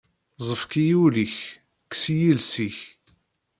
Ẓefk-iyi ul-ik, kkes-iyi iles-ik.